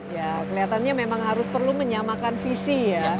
ya kelihatannya memang harus perlu menyamakan visi ya